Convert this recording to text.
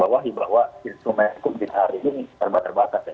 bahwa insumen hukum di hari ini terbatas terbatas ya